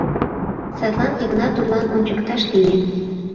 Садлан Йыгнат тудлан ончыкташ лие.